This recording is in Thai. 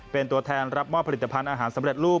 เป็นตัวแทนรับมอบผลิตภัณฑ์อาหารสำเร็จรูป